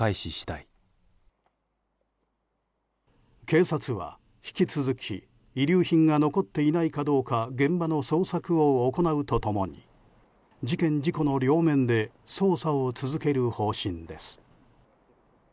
警察は引き続き遺留品が残っていないかどうか現場の捜索を行うと共に事件・事故の両面で捜査を続ける方針です。